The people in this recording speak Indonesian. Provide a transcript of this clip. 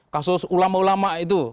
kasus ulama ulama itu